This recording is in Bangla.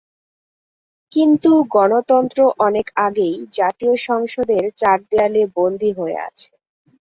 কিন্তু গণতন্ত্র অনেক আগেই জাতীয় সংসদের চার দেয়ালে বন্দী হয়ে আছে।